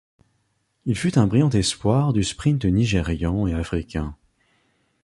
Il fut un brillant espoir du sprint nigérian et africain.